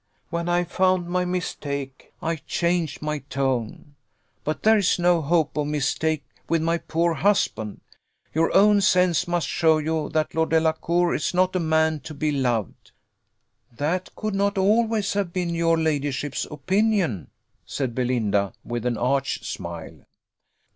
When I found my mistake, I changed my tone. But there is no hope of mistake with my poor husband. Your own sense must show you, that Lord Delacour is not a man to beloved." "That could not always have been your ladyship's opinion," said Belinda, with an arch smile.